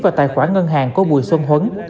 vào tài khoản ngân hàng của bùi xuân huấn